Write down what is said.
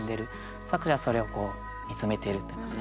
作者はそれを見つめているといいますかね。